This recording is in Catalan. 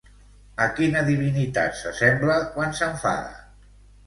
A quina divinitat s'assembla quan s'enfada?